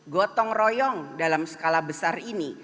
gotong royong dalam skala besar ini